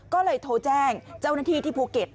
ก็เลยโทรแจ้งเจ้าหน้าที่ที่ภูเก็ต